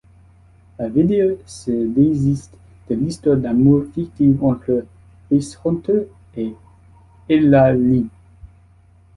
La vidéo se désiste de l'histoire d'amour fictive entre Basshunter et Aylar Lie.